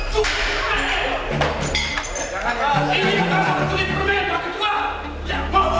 tukik permen ini adalah tukik permen pak ketua